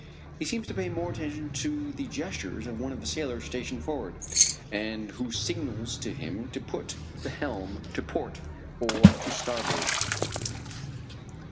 He seems to pay more heed to the gestures of one of the sailors stationed forward, and who signals to him to put the helm to port or to starboard.